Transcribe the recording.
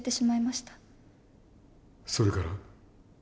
それから？